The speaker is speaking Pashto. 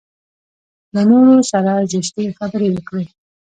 له نورو سره زشتې خبرې وکړي.